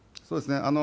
そうですね。